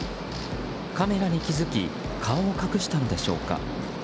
カメラに気づき顔を隠したのでしょうか。